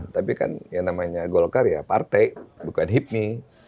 tapi kan yang namanya golkar ya partai bukan hipmi